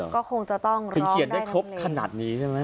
ก็คงจะต้องร้องได้ทั้งนี้ถึงเขียนได้ครบขนาดนี้ใช่ไหม